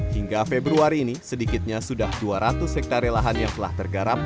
hingga februari ini sedikitnya sudah dua ratus hektare lahan yang telah tergarap